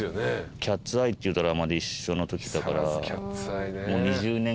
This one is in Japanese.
『キャッツアイ』っていうドラマで一緒のときだからもう。